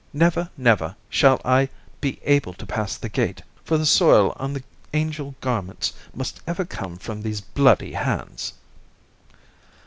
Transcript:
Never, never shall I be able to pass the gate, for the soil on the angel garments must ever come from these bloody hands!"